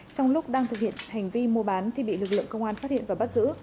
trong lúc đang thực hiện hành vi mua bán thì bị lực lượng công an phát hiện và bắt giữ